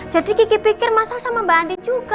jadi kiki pikir mas al sama mbak andin juga